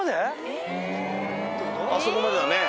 あそこまでだね。